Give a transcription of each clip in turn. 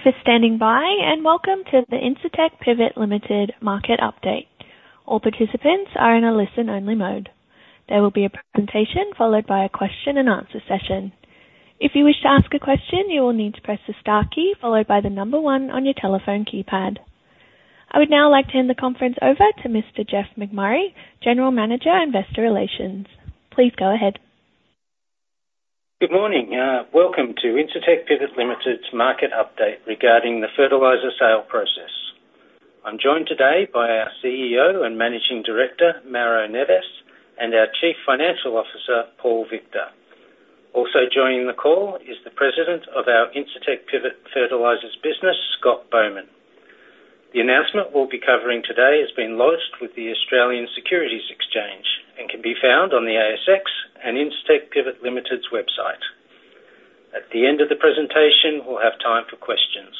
Thank you for standing by, and welcome to the Incitec Pivot Limited Market Update. All participants are in a listen-only mode. There will be a presentation followed by a question-and-answer session. If you wish to ask a question, you will need to press the star key, followed by the number one on your telephone keypad. I would now like to hand the conference over to Mr. Geoff McMurray, General Manager, Investor Relations. Please go ahead. Good morning. Welcome to Incitec Pivot Limited's market update regarding the fertilizer sale process. I'm joined today by our CEO and Managing Director, Mauro Neves, and our Chief Financial Officer, Paul Victor. Also joining the call is the President of our Incitec Pivot Fertilizers business, Scott Bowman. The announcement we'll be covering today has been lodged with the Australian Securities Exchange and can be found on the ASX and Incitec Pivot Limited's website. At the end of the presentation, we'll have time for questions.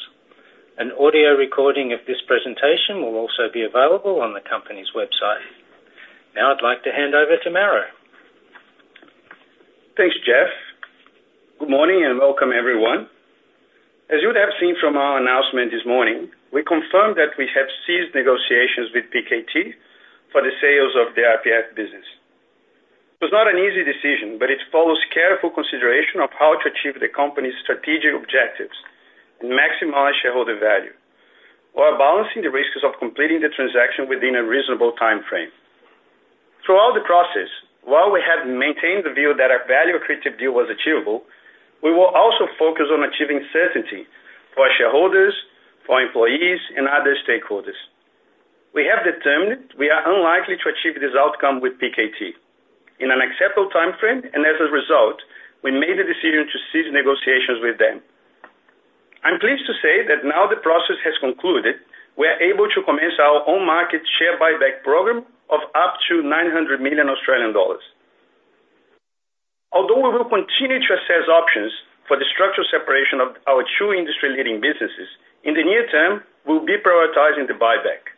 An audio recording of this presentation will also be available on the company's website. Now I'd like to hand over to Mauro. Thanks, Jeff. Good morning, and welcome, everyone. As you would have seen from our announcement this morning, we confirmed that we have ceased negotiations with PKT for the sale of the IPF business. It was not an easy decision, but it follows careful consideration of how to achieve the company's strategic objectives and maximize shareholder value, while balancing the risks of completing the transaction within a reasonable timeframe. Throughout the process, while we have maintained the view that a value-accretive deal was achievable, we were also focused on achieving certainty for our shareholders, for our employees, and other stakeholders. We have determined we are unlikely to achieve this outcome with PKT in an acceptable timeframe, and as a result, we made the decision to cease negotiations with them. I'm pleased to say that now the process has concluded, we are able to commence our own on-market share buyback program of up to 900 million Australian dollars. Although we will continue to assess options for the structural separation of our two industry-leading businesses, in the near term, we'll be prioritizing the buyback.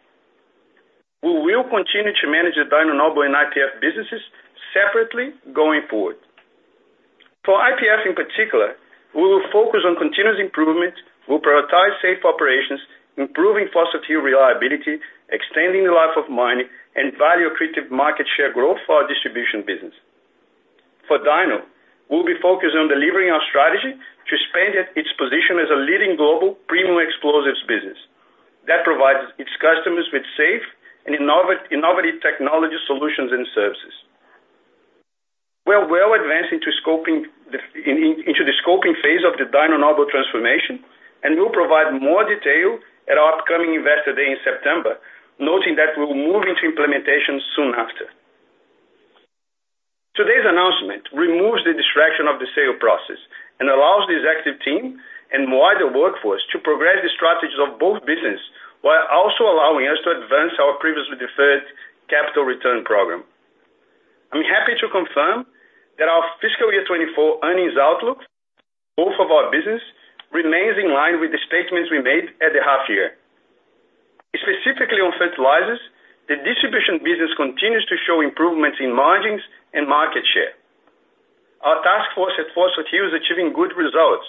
We will continue to manage the Dyno Nobel and IPF businesses separately going forward. For IPF in particular, we will focus on continuous improvement, we'll prioritize safe operations, improving post-turnaround reliability, extending the life of the mine, and value-accretive market share growth for our distribution business. For Dyno, we'll be focused on delivering our strategy to expand its position as a leading global premium explosives business that provides its customers with safe and innovative technology solutions and services. We are well advanced into the scoping phase of the Dyno Nobel transformation, and we'll provide more detail at our upcoming Investor Day in September, noting that we'll move into implementation soon after. Today's announcement removes the distraction of the sale process and allows the executive team and wider workforce to progress the strategies of both business, while also allowing us to advance our previously deferred capital return program. I'm happy to confirm that our fiscal year 2024 earnings outlook, both of our business, remains in line with the statements we made at the half year. Specifically on fertilizers, the distribution business continues to show improvements in margins and market share. Our task force at Phosphates is achieving good results.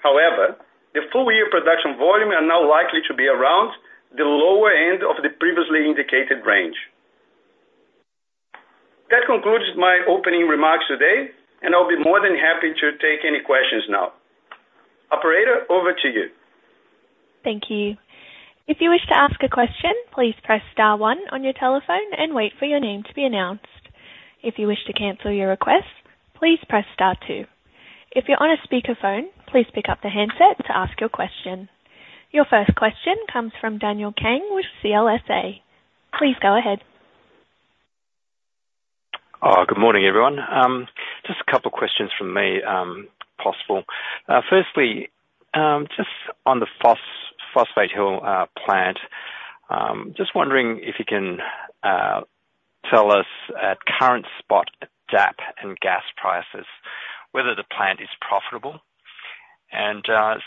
However, the full-year production volume are now likely to be around the lower end of the previously indicated range. That concludes my opening remarks today, and I'll be more than happy to take any questions now. Operator, over to you. Thank you. If you wish to ask a question, please press star one on your telephone and wait for your name to be announced. If you wish to cancel your request, please press star two. If you're on a speakerphone, please pick up the handset to ask your question. Your first question comes from Daniel Kang with CLSA. Please go ahead. Good morning, everyone. Just a couple questions from me, if possible. Firstly, just on the Phosphate Hill plant, just wondering if you can tell us at current spot DAP and gas prices, whether the plant is profitable?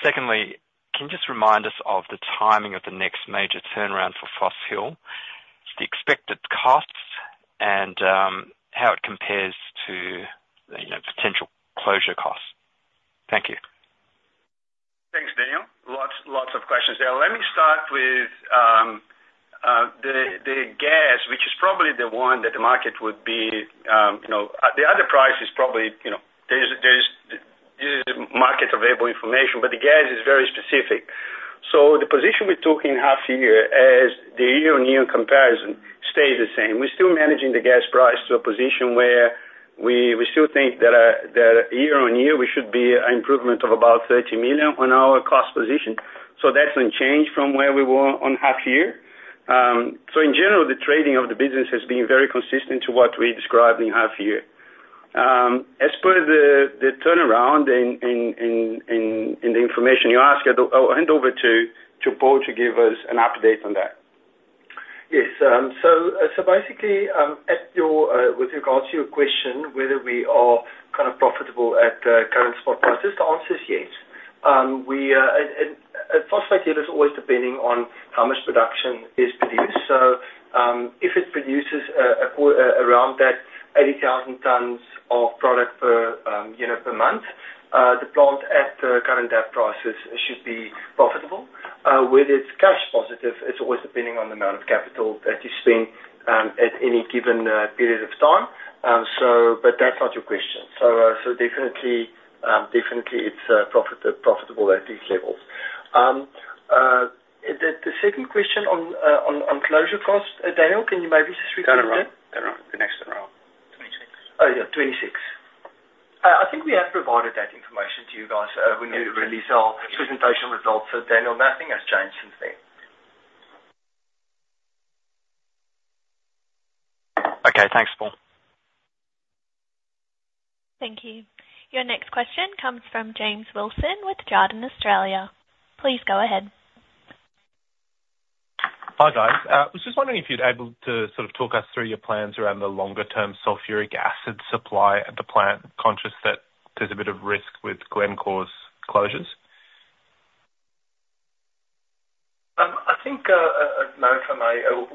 Secondly, can you just remind us of the timing of the next major turnaround for Phosphate Hill, the expected costs, and how it compares to, you know, potential closure costs? Thank you. Thanks, Daniel. Lots, lots of questions there. Let me start with the gas, which is probably the one that the market would be, you know... The other price is probably, you know, there's this is market-available information, but the gas is very specific. So the position we took in half-year as the year-on-year comparison stays the same. We're still managing the gas price to a position where we still think that year-on-year, we should be an improvement of about 30 million on our cost position. So that's unchanged from where we were on half-year. So in general, the trading of the business has been very consistent to what we described in half-year. As per the turnaround and the information you asked, I'll hand over to Paul to give us an update on that. Yes. So basically, with regards to your question, whether we are kind of profitable at current spot prices, the answer is yes. And Phosphate Hill is always depending on how much production is produced. So- produces around that 80,000 tons of product per, you know, per month. The plant at the current DAP prices should be profitable. Whether it's cash positive, it's always depending on the amount of capital that you spend at any given period of time. So but that's not your question. So, so definitely, definitely it's profitable at these levels. The second question on closure costs, Daniel, can you maybe just repeat that? Down the row. Down the next row. Twenty-six. Oh, yeah, 26. I think we have provided that information to you guys when we released our presentation results for Daniel. Nothing has changed since then. Okay, thanks, Paul. Thank you. Your next question comes from James Wilson with Jarden Australia. Please go ahead. Hi, guys. I was just wondering if you'd able to sort of talk us through your plans around the longer-term sulfuric acid supply at the plant, conscious that there's a bit of risk with Glencore's closures?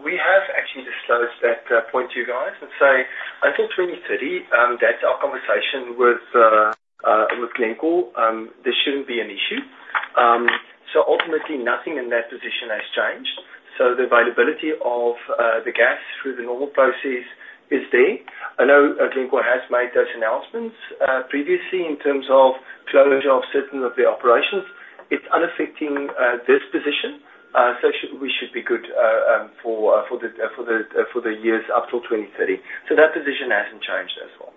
We have actually disclosed that point to you guys and say until 2030, that's our conversation with Glencore, this shouldn't be an issue. So ultimately nothing in that position has changed. So the availability of the gas through the normal process is there. I know Glencore has made those announcements previously in terms of closure of certain of the operations. It's unaffecting this position, so we should be good for the years up till 2030. So that position hasn't changed as well.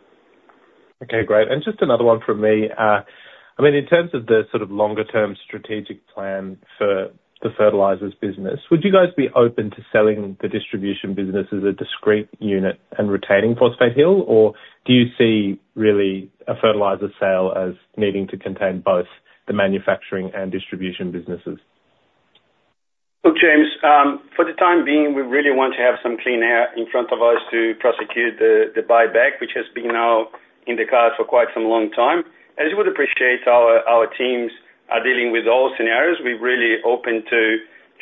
Okay, great. And just another one from me. I mean, in terms of the sort of longer term strategic plan for the fertilizers business, would you guys be open to selling the distribution business as a discrete unit and retaining Phosphate Hill? Or do you see really a fertilizer sale as needing to contain both the manufacturing and distribution businesses? Look, James, for the time being, we really want to have some clean air in front of us to prosecute the buyback, which has been now in the cards for quite some long time. As you would appreciate, our teams are dealing with all scenarios. We're really open to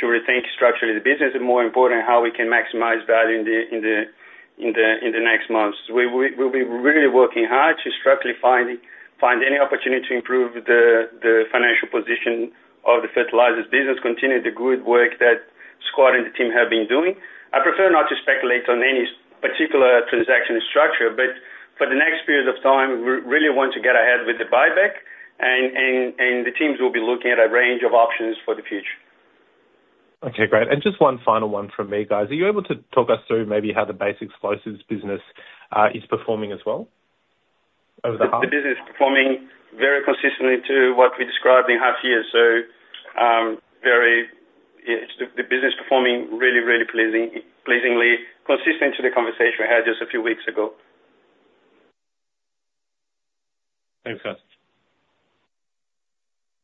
rethink structurally the business, and more important, how we can maximize value in the next months. We'll be really working hard to structurally find any opportunity to improve the financial position of the fertilizers business, continue the good work that Scott and the team have been doing. I prefer not to speculate on any particular transaction structure, but for the next period of time, we really want to get ahead with the buyback and the teams will be looking at a range of options for the future. Okay, great. And just one final one from me, guys. Are you able to talk us through maybe how the basic explosives business is performing as well over the half? The business is performing very consistently to what we described in half year. So, the business is performing really, really pleasingly consistent to the conversation we had just a few weeks ago. Thanks, guys.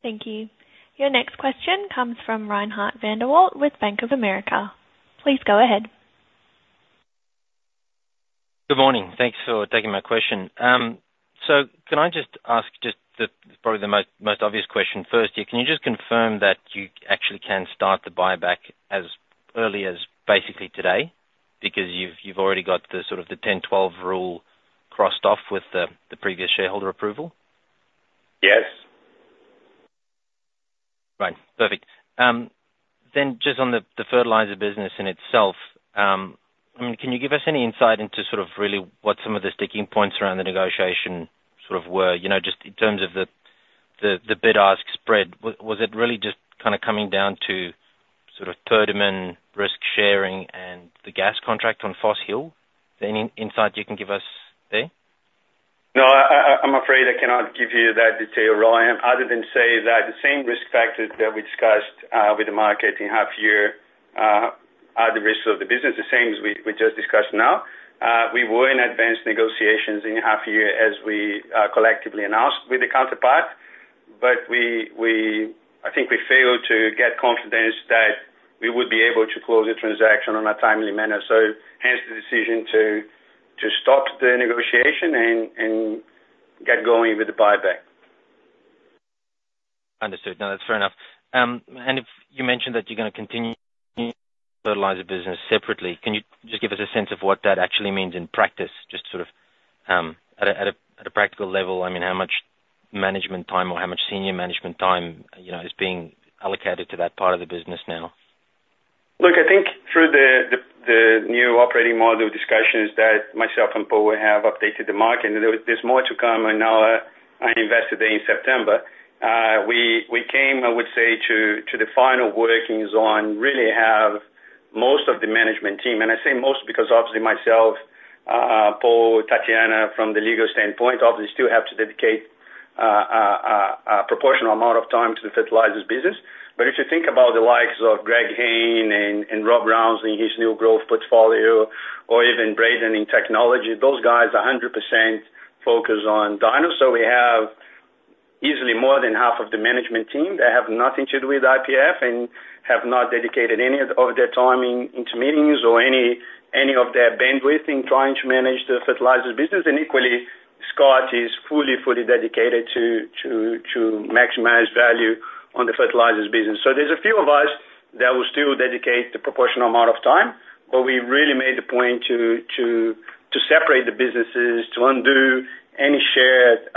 Thank you. Your next question comes from Reinhardt van der Walt with Bank of America. Please go ahead. Good morning. Thanks for taking my question. So can I just ask just the, probably the most obvious question first here: Can you just confirm that you actually can start the buyback as early as basically today? Because you've already got the sort of the 10-12 rule crossed off with the previous shareholder approval. Yes. Right. Perfect. Then just on the fertilizer business in itself, I mean, can you give us any insight into sort of really what some of the sticking points around the negotiation sort of were? You know, just in terms of the bid-ask spread, was it really just kind of coming down to sort of term and risk-sharing and the gas contract on Phosphate Hill? Is there any insight you can give us there? No, I'm afraid I cannot give you that detail, Ryan, other than say that the same risk factors that we discussed with the market in half year are the risks of the business, the same as we just discussed now. We were in advanced negotiations in half year, as we collectively announced with the counterpart, but we—I think we failed to get confidence that we would be able to close the transaction on a timely manner. So hence the decision to stop the negotiation and get going with the buyback. Understood. No, that's fair enough. And if you mentioned that you're gonna continue fertilizer business separately, can you just give us a sense of what that actually means in practice, just sort of at a practical level, I mean, how much management time or how much senior management time, you know, is being allocated to that part of the business now? Look, I think through the new operating model discussions that myself and Paul have updated the market, and there's more to come, and now on Investor Day in September. We came, I would say, to the final workings on really have most of the management team, and I say most because obviously myself, Paul, Tatiana, from the legal standpoint, obviously still have to dedicate a proportional amount of time to the fertilizers business. But if you think about the likes of Greg Hayne and Rob Rounsley and his new growth portfolio, or even Braden in technology, those guys are 100% focused on Dyno. So we have easily more than half of the management team that have nothing to do with IPF and have not dedicated any of their time into meetings or any of their bandwidth in trying to manage the fertilizers business, and equally, Scott is fully dedicated to maximize value on the fertilizers business. So there's a few of us that will still dedicate the proportional amount of time, but we really made the point to separate the businesses, to undo any shared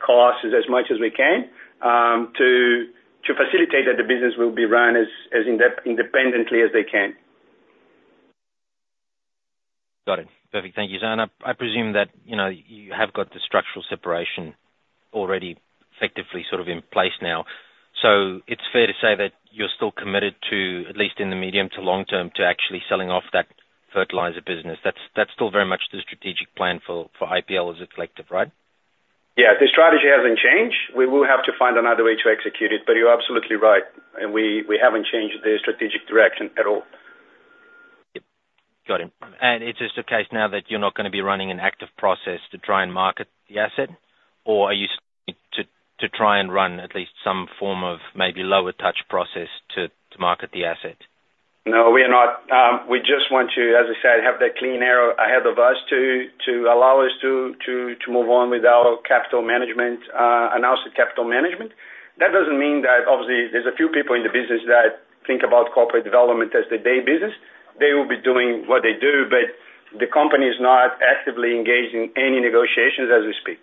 costs as much as we can, to facilitate that the business will be run as independently as they can. Got it. Perfect. Thank you. So and I, I presume that, you know, you have got the structural separation already effectively sort of in place now. So it's fair to say that you're still committed to, at least in the medium to long term, to actually selling off that fertilizer business. That's, that's still very much the strategic plan for, for IPL as a collective, right? Yeah, the strategy hasn't changed. We will have to find another way to execute it, but you're absolutely right. And we haven't changed the strategic direction at all. Yep. Got it. It's just the case now that you're not gonna be running an active process to try and market the asset? Or are you to try and run at least some form of maybe lower touch process to market the asset? No, we are not. We just want to, as I said, have that clean air ahead of us to allow us to move on with our capital management, announce the capital management. That doesn't mean that... Obviously, there's a few people in the business that think about corporate development as their day business. They will be doing what they do, but the company is not actively engaged in any negotiations as we speak.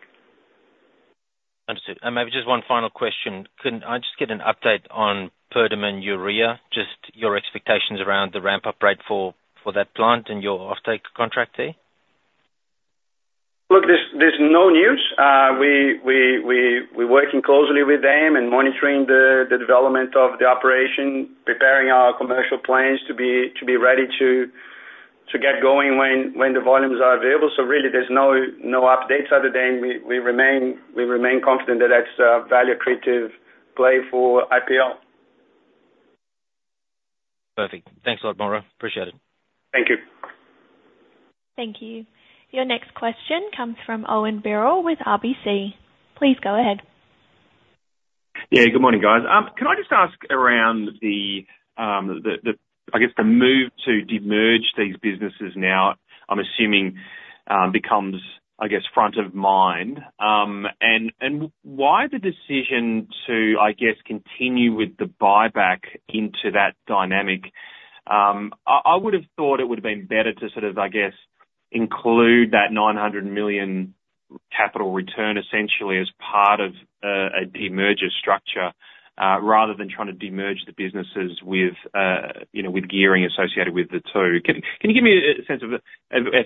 Understood. Maybe just one final question. Could I just get an update on Perdaman Urea, just your expectations around the ramp-up rate for that plant and your offtake contract there? Look, there's no news. We're working closely with them and monitoring the development of the operation, preparing our commercial plans to be ready to get going when the volumes are available. So really, there's no updates other than we remain confident that that's a value-accretive play for IPL. Perfect. Thanks a lot, Mauro. Appreciate it. Thank you. Thank you. Your next question comes from Owen Birrell with RBC. Please go ahead. Yeah, good morning, guys. Can I just ask around the, the, I guess, the move to demerge these businesses now, I'm assuming, becomes, I guess, front of mind. And why the decision to, I guess, continue with the buyback into that dynamic? I would have thought it would have been better to sort of, I guess, include that 900 million capital return essentially as part of a demerger structure, rather than trying to demerge the businesses with, you know, with gearing associated with the two. Can you give me a sense of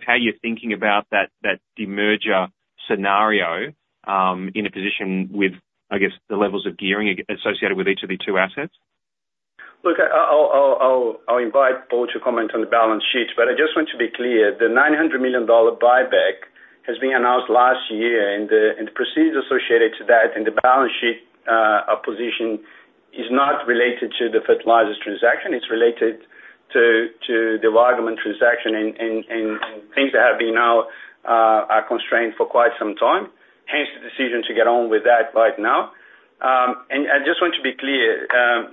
how you're thinking about that demerger scenario, in a position with, I guess, the levels of gearing associated with each of the two assets? Look, I'll invite Paul to comment on the balance sheets, but I just want to be clear: the 900 million dollar buyback has been announced last year, and the proceeds associated to that and the balance sheet position is not related to the fertilizers transaction. It's related to the Waggaman transaction and things that have been now are constrained for quite some time, hence the decision to get on with that right now. And I just want to be clear,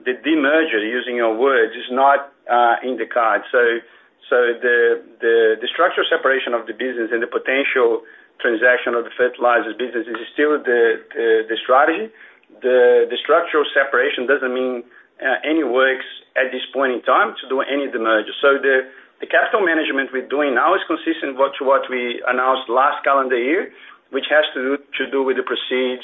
the demerger, using your words, is not in the cards. So the structural separation of the business and the potential transaction of the fertilizers business is still the strategy. The structural separation doesn't mean any works at this point in time to do any demerger. So the capital management we're doing now is consistent to what we announced last calendar year, which has to do with the proceeds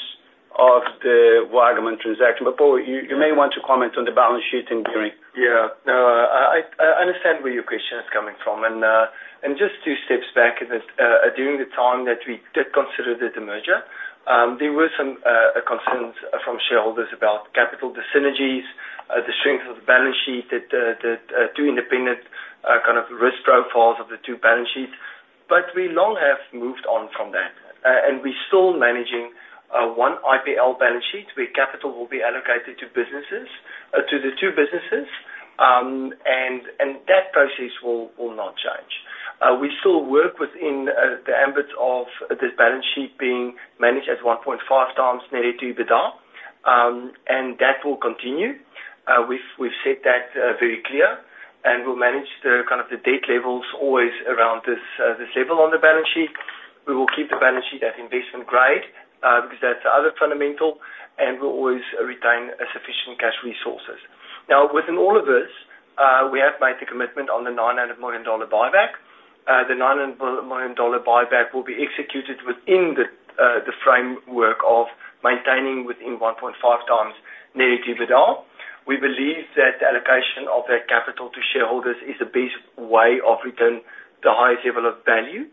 of the Waggaman transaction. But, Paul, you may want to comment on the balance sheet and gearing. Yeah. No, I understand where your question is coming from, and and just two steps back in this, during the time that we did consider the demerger, there were some concerns from shareholders about capital, the synergies, the strength of the balance sheet, the two independent kind of risk profiles of the two balance sheets, but we long have moved on from that. And we're still managing one IPL balance sheet, where capital will be allocated to businesses to the two businesses, and that process will not change. We still work within the ambit of this balance sheet being managed at 1.5 times net debt to EBITDA, and that will continue. We've, we've set that very clear, and we'll manage the kind of the debt levels always around this this level on the balance sheet. We will keep the balance sheet at investment grade because that's the other fundamental, and we'll always retain a sufficient cash resources. Now, within all of this, we have made the commitment on the 900 million dollar buyback. The 900 million dollar buyback will be executed within the the framework of maintaining within 1.5x net debt to EBITDA. We believe that the allocation of that capital to shareholders is the best way of return, the highest level of value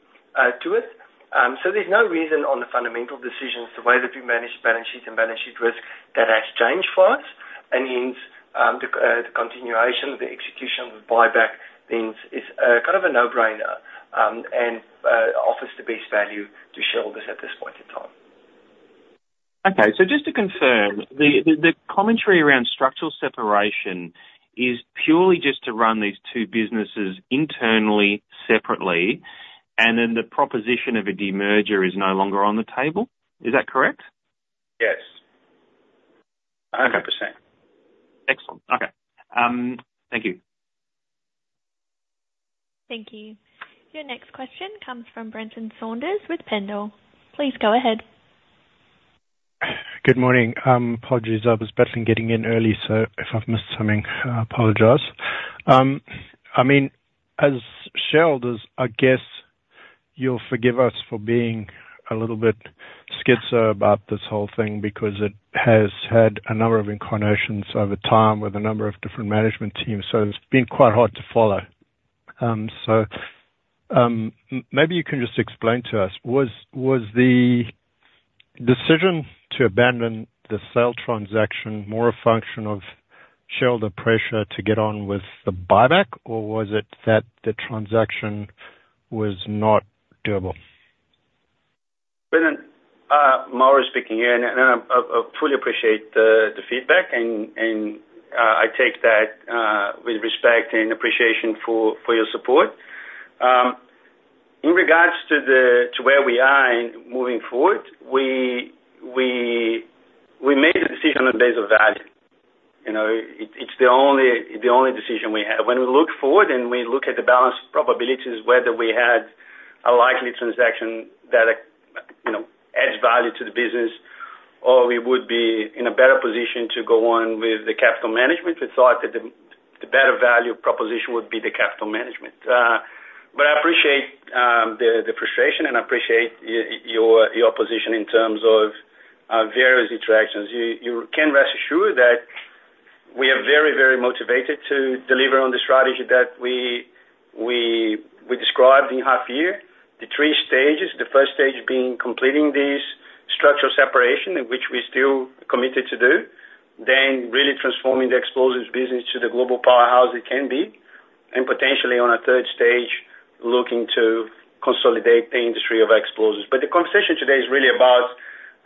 to it. So there's no reason on the fundamental decisions, the way that we manage balance sheet and balance sheet risk, that has changed for us, and hence, the continuation of the execution of the buyback things is kind of a no-brainer, and offers the best value to shareholders at this point in time. Okay, so just to confirm, the commentary around structural separation is purely just to run these two businesses internally, separately, and then the proposition of a demerger is no longer on the table? Is that correct? Yes. Thank you. Thank you. Your next question comes from Brenton Saunders with Pendal. Please go ahead. Good morning. Apologies, I was battling getting in early, so if I've missed something, I apologize. I mean, as shareholders, I guess you'll forgive us for being a little bit schizo about this whole thing, because it has had a number of incarnations over time with a number of different management teams, so it's been quite hard to follow. So, maybe you can just explain to us: Was the decision to abandon the sale transaction more a function of shareholder pressure to get on with the buyback, or was it that the transaction was not doable? Brenton, Mauro speaking here, and I fully appreciate the feedback, and I take that with respect and appreciation for your support. In regards to where we are in moving forward, we made a decision on the basis of value. You know, it's the only decision we have. When we look forward, and we look at the balanced probabilities, whether we had a likely transaction that, you know, adds value to the business, or we would be in a better position to go on with the capital management, we thought that the better value proposition would be the capital management. But I appreciate the frustration, and I appreciate your position in terms of various interactions. You can rest assured that we are very, very motivated to deliver on the strategy that we described in half year. The three stages, the first stage being completing this structural separation, in which we're still committed to do, then really transforming the explosives business to the global powerhouse it can be, and potentially on a third stage, looking to consolidate the industry of explosives. But the conversation today is really about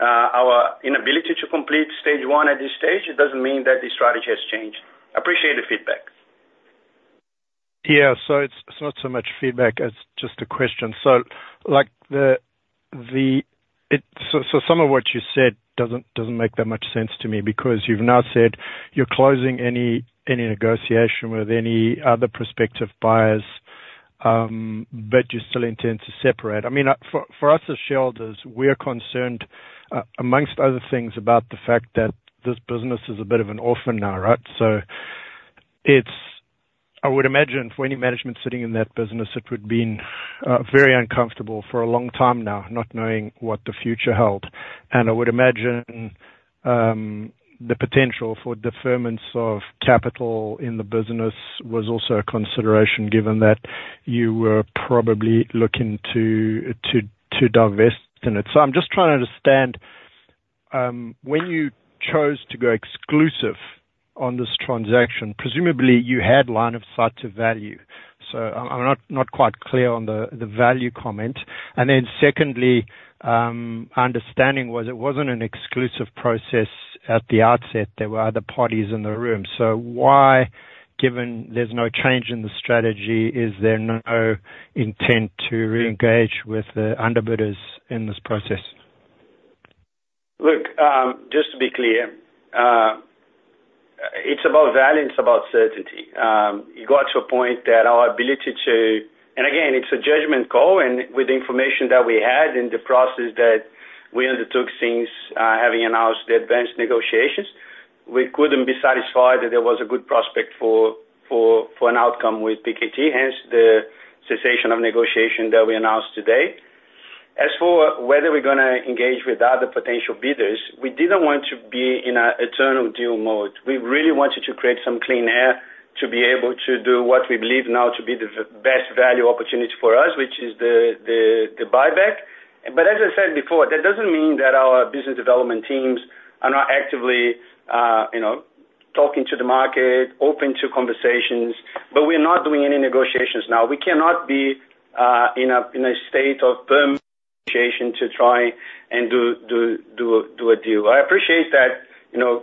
our inability to complete stage one at this stage. It doesn't mean that the strategy has changed. Appreciate the feedback. Yeah. So it's not so much feedback as just a question. So, like, some of what you said doesn't make that much sense to me, because you've now said you're closing any negotiation with any other prospective buyers, but you still intend to separate. I mean, for us as shareholders, we are concerned, among other things, about the fact that this business is a bit of an orphan now, right? So it's. I would imagine for any management sitting in that business, it would have been very uncomfortable for a long time now, not knowing what the future held. And I would imagine the potential for deferments of capital in the business was also a consideration, given that you were probably looking to divest in it. So I'm just trying to understand, when you chose to go exclusive on this transaction, presumably you had line of sight to value. So I'm not quite clear on the value comment. And then secondly, my understanding was it wasn't an exclusive process at the outset. There were other parties in the room. So why, given there's no change in the strategy, is there no intent to re-engage with the underbidders in this process? Look, just to be clear, it's about value and it's about certainty. It got to a point that our ability to... And again, it's a judgment call, and with the information that we had in the process that we undertook since having announced the advanced negotiations, we couldn't be satisfied that there was a good prospect for an outcome with PKT, hence the cessation of negotiation that we announced today. As for whether we're gonna engage with other potential bidders, we didn't want to be in an eternal deal mode. We really wanted to create some clean air to be able to do what we believe now to be the best value opportunity for us, which is the buyback. But as I said before, that doesn't mean that our business development teams are not actively, you know, talking to the market, open to conversations, but we're not doing any negotiations now. We cannot be in a state of firm negotiation to try and do a deal. I appreciate that, you know,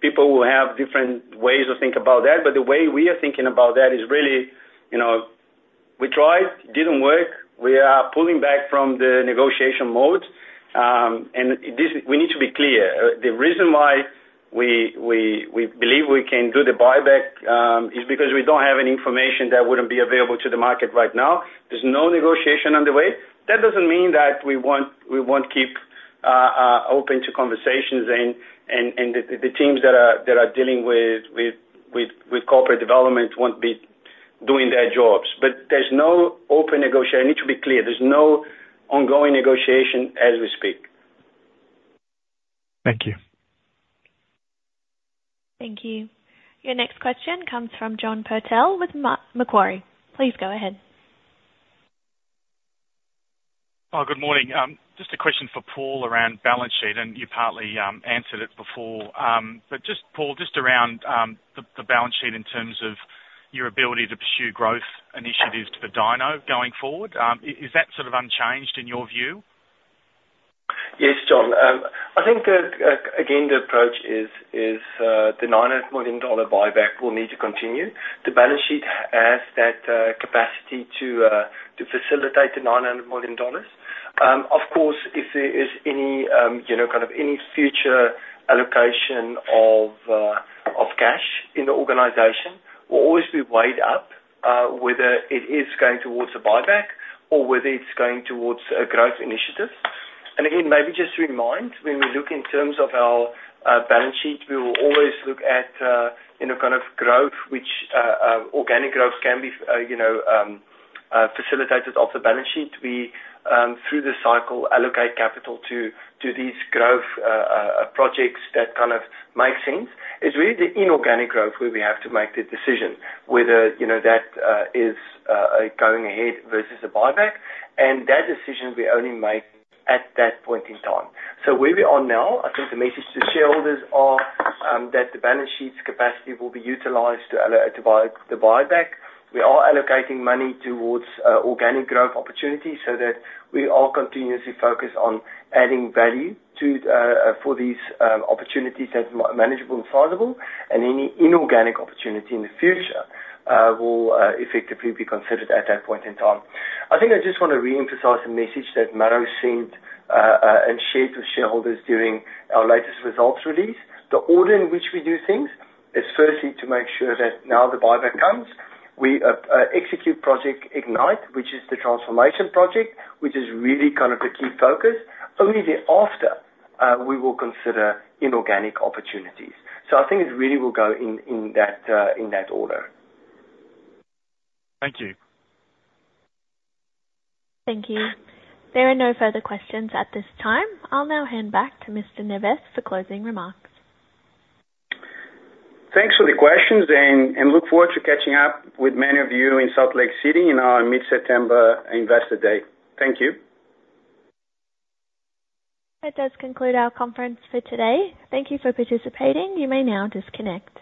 people will have different ways to think about that, but the way we are thinking about that is really, you know, we tried, it didn't work. We are pulling back from the negotiation mode. And this... We need to be clear, the reason why we believe we can do the buyback is because we don't have any information that wouldn't be available to the market right now. There's no negotiation on the way. That doesn't mean that we won't keep open to conversations and the teams that are dealing with corporate development won't be doing their jobs. But there's no open negotiation. I need to be clear, there's no ongoing negotiation as we speak. Thank you. Thank you. Your next question comes from John Purtell with Macquarie. Please go ahead. Good morning. Just a question for Paul around balance sheet, and you partly answered it before. But just, Paul, just around the balance sheet in terms of your ability to pursue growth initiatives for Dyno going forward. Is that sort of unchanged in your view? Yes, John. I think again, the approach is the 900 million dollar buyback will need to continue. The balance sheet has that capacity to facilitate the 900 million dollars. Of course, if there is any, you know, kind of any future allocation of cash in the organization to weigh up whether it is going towards a buyback or whether it's going towards a growth initiative. And again, maybe just to remind, when we look in terms of our balance sheet, we will always look at, you know, kind of growth, which organic growth can be, you know, facilitated off the balance sheet. We through the cycle allocate capital to these growth projects that kind of make sense. It's really the inorganic growth where we have to make the decision whether, you know, that is going ahead versus a buyback, and that decision we only make at that point in time. So where we are now, I think the message to shareholders are that the balance sheet's capacity will be utilized to allocate to the buyback. We are allocating money towards organic growth opportunities so that we are continuously focused on adding value for these opportunities that are manageable and sizable, and any inorganic opportunity in the future will effectively be considered at that point in time. I think I just wanna reemphasize the message that Mauro sent and shared with shareholders during our latest results release. The order in which we do things is firstly to make sure that now the buyback comes, we, execute Project Ignite, which is the transformation project, which is really kind of the key focus. Only then after, we will consider inorganic opportunities. So I think it really will go in, in that, in that order. Thank you. Thank you. There are no further questions at this time. I'll now hand back to Mr. Neves for closing remarks. Thanks for the questions, and look forward to catching up with many of you in Salt Lake City in our mid-September Investor Day. Thank you. That does conclude our conference for today. Thank you for participating. You may now disconnect.